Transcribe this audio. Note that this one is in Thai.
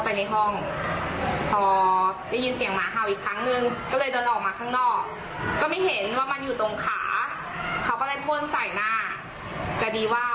พอดีขับรถเข้าไปในบ้านก็ได้ยืนเสียงหมาเห่้า